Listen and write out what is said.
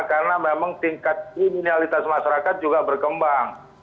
karena memang tingkat kriminalitas masyarakat juga berkembang